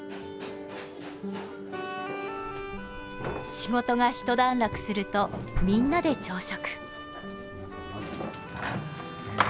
仕事が一段落するとみんなで朝食。